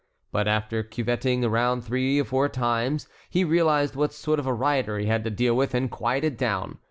But after curvetting around three or four times, he realized what sort of a rider he had to deal with and quieted down.